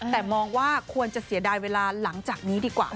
แต่มองว่าควรจะเสียดายเวลาหลังจากนี้ดีกว่า